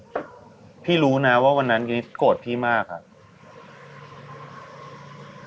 นิดพี่รู้นะว่าวันนั้นนิดโกรธพี่มากค่ะ